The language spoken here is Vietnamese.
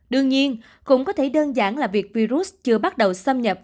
đương nhiên cũng có thể đơn giản là việc virus chưa bắt đầu xâm nhập